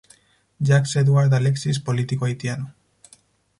Jacques-Édouard Alexis, político haitiano.